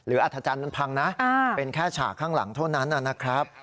อัธจันทร์มันพังนะเป็นแค่ฉากข้างหลังเท่านั้นนะครับ